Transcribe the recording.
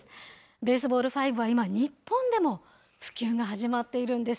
ベースボール５は今、日本でも普及が始まっているんです。